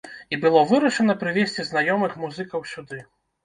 І было вырашана прывезці знаёмых музыкаў сюды.